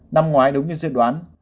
năm ngoái đúng như dự đoán